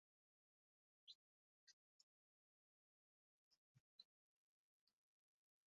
Kitaawe yali amuwadde ekiragiro obuteetaba na mukazi yenna awambiddwa mu ntalo wadde okunywa omwenge.